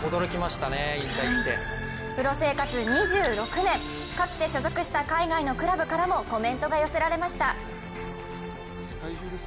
プロ生活２６年かつて所属した海外のクラブからもコメントが寄せられました。